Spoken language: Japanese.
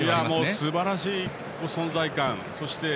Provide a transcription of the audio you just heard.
すばらしい存在感。